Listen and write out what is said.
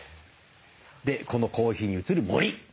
でこのコーヒーに映る森。